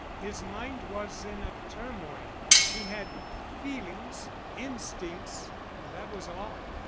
His mind was in a turmoil. He had feelings instincts; that was all.